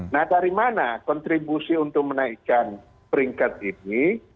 nah dari mana kontribusi untuk menaikkan peringkat ini